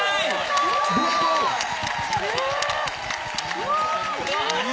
すごーい。